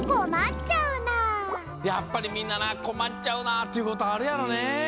やっぱりみんなな「こまっちゃうなぁ」っていうことあるやろね。